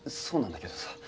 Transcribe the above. そうなんだけどさ